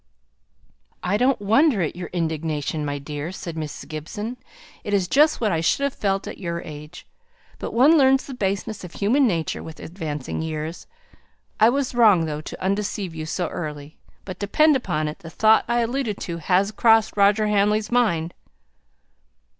"I don't wonder at your indignation, my dear!" said Mrs. Gibson. "It is just what I should have felt at your age. But one learns the baseness of human nature with advancing years. I was wrong, though, to undeceive you so early but depend upon it, the thought I alluded to has crossed Roger Hamley's mind!"